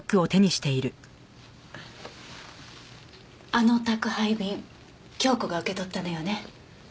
あの宅配便京子が受け取ったのよね？